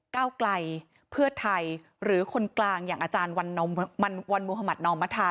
เก้าไกลเพื่อไทยหรือคนกลางอย่างอาจารย์วันวันวันมุหมาธนอมมัธา